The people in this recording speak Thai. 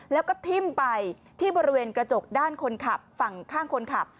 แล้วก็ทิ้มไปที่บริเวณกระจกด้านคนขับฝั่งข้างคนขับ